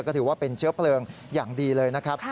ก็ถือว่าเป็นเชื้อเพลิงอย่างดีเลยนะครับ